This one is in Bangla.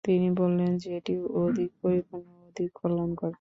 তিনি বললেন, যেটি অধিক পরিপূর্ণ ও অধিক কল্যাণকর।